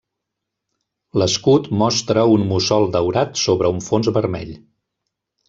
L'escut mostra un mussol daurat sobre un fons vermell.